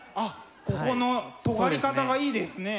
ここのとがり方がいいですね。